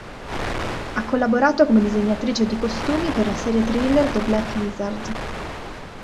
Ha collaborato come disegnatrice di costumi per la serie thriller "The Black Lizard".